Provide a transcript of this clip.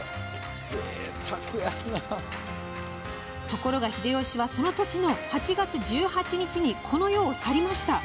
ところが秀吉は、その年の８月１８日、この世を去りました。